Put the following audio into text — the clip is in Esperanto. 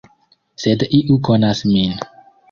Sed iu konas min.